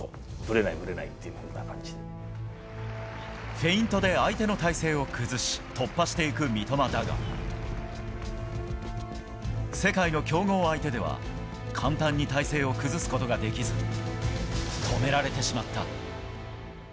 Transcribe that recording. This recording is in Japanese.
フェイントで相手の体勢を崩し突破していく三笘だが世界の強豪相手では簡単に体勢を崩すことができず止められてしまった。